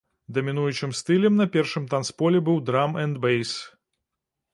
Дамінуючым стылем на першым танцполе быў драм'энд'бэйс.